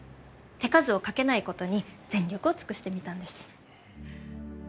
手数をかけないことに全力を尽くしてみたんです。